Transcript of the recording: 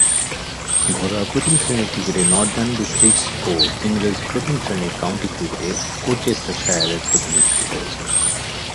ঘরোয়া প্রথম-শ্রেণীর ক্রিকেটে নর্দার্ন ডিস্ট্রিক্টস ও ইংরেজ প্রথম-শ্রেণীর কাউন্টি ক্রিকেটে ওরচেস্টারশায়ারের প্রতিনিধিত্ব করেছেন।